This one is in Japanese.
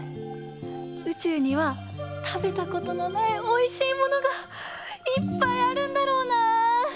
うちゅうにはたべたことのないおいしいものがいっぱいあるんだろうな！